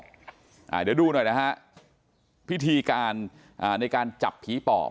เดี๋ยวดูหน่อยนะฮะพิธีการอ่าในการจับผีปอบ